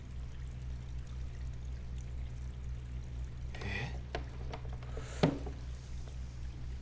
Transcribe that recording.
えっ？